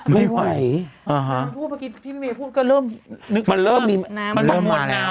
พี่เมก็เริ่มนึกกับว่ามันน้ำมา